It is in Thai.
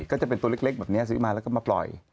ก็จะเป็นตัวเล็กแบบนี้ซื้อมาแล้วก็มาปล่อย